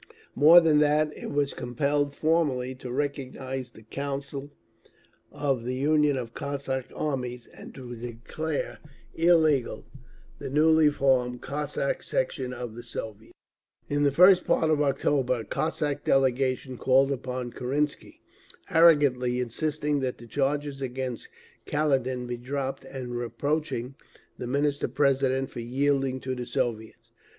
More than that, it was compelled formally to recognise the Council of the Union of Cossack Armies, and to declare illegal the newly formed Cossack Section of the Soviets…. In the first part of October a Cossack delegation called upon Kerensky, arrogantly insisting that the charges against Kaledin be dropped, and reproaching the Minister President for yielding to the Soviets.